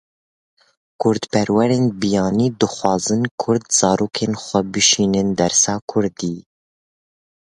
Kurdperwerên biyanî dixwazin Kurd zarokên xwe bişînin dersa kurdî.